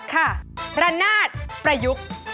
ค่ะระนาดประยุกต์